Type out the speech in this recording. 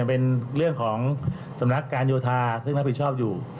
เป็นเรื่องของสำนักการโยธาซึ่งรับผิดชอบอยู่